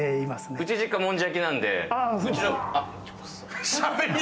うち実家、もんじゃ焼きなんで。